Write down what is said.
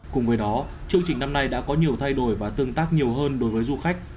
cùng với đó chương trình năm nay đã có nhiều thay đổi và tương tác nhiều hơn đối với du khách